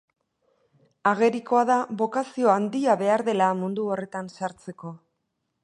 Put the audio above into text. Agerikoa da bokazio handia behar dela mundu horretan sartzeko.